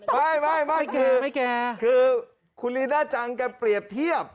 ไม่คือคุณลิน่าจังกันเปรียบเทียบ